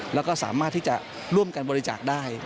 และก็สามารถที่จะร่วมกับววิจักษ์ได้